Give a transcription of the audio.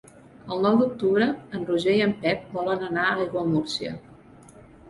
El nou d'octubre en Roger i en Pep volen anar a Aiguamúrcia.